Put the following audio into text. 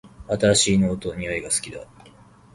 新しいノートの匂いが好きだ